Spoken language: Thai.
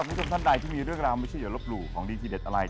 คุณผู้ชมท่านใดที่มีเรื่องราวไม่เชื่ออย่าลบหลู่ของดีทีเด็ดอะไร